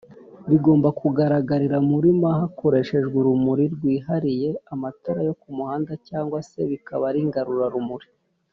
bigomba kugaragarira muri m hakoreshejwe urumuri rwihariye amatara yo kumuhanda cg se bikaba ari ngarurarumuri